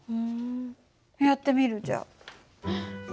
やってみるじゃあ。